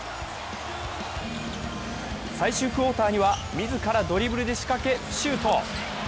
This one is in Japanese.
最終クオーターには自らドリブルで仕掛け、シュート。